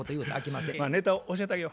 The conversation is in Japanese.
まあネタ教えてあげよ。